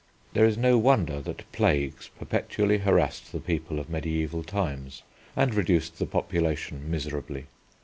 There is no wonder that plagues perpetually harassed the people of mediæval times and reduced the population miserably.